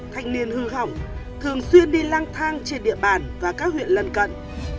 thanh niên hư hỏng thường xuyên đi lang thang trên địa bàn và các huyện lần cận